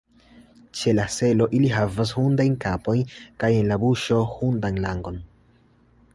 Ĉe la selo ili havas hundajn kapojn kaj en la buŝo hundan langon!